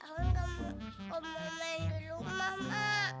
raun nggak mau main di rumah mak